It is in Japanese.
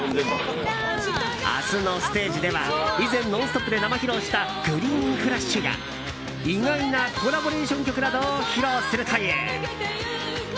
明日のステージでは以前「ノンストップ！」で生披露した「ＧＲＥＥＮＦＬＡＳＨ」や意外なコラボレーション曲などを披露するという。